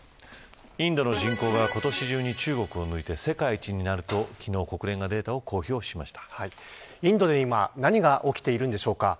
インドの人口が今年中に中国を抜いて世界一になると昨日、国連がインドで今何が起きているんでしょうか。